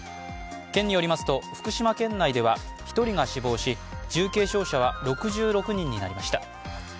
県によりますと福島県内では１人が死亡し重軽傷者は６６人になりました。